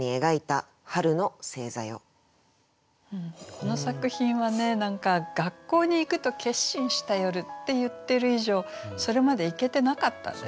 この作品はね何か「学校に行くと決心した夜」って言ってる以上それまで行けてなかったんですよね。